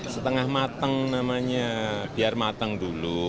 setengah mateng namanya biar matang dulu